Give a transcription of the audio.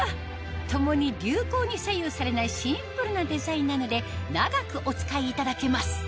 共に流行に左右されないシンプルなデザインなので長くお使いいただけます